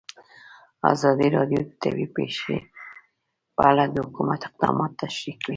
ازادي راډیو د طبیعي پېښې په اړه د حکومت اقدامات تشریح کړي.